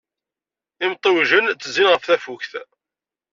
Imtiwgen ttezzin ɣef Tafukt.